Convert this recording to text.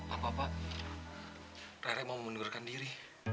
apa apa rere mau menundurkan diri